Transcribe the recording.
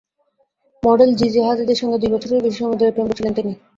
Model Gigi হাদিদের সঙ্গে দুই বছরের বেশি সময় ধরে প্রেম করছিলেন তিনি।